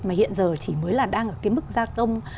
mà hiện giờ chỉ mới là đang ở cái mức gia công